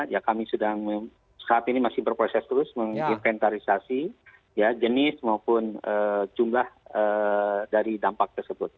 ya kami sedang saat ini masih berproses terus menginventarisasi jenis maupun jumlah dari dampak tersebut